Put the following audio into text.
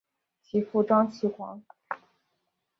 其父张其锽。